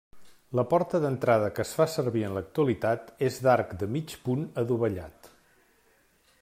La porta d'entrada que es fa servir en l'actualitat és d'arc de mig punt adovellat.